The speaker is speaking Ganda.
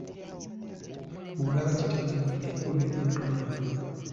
Bwolaba kitemya ng’enkuba enaatonya.